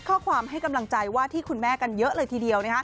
ข้อความให้กำลังใจว่าที่คุณแม่กันเยอะเลยทีเดียว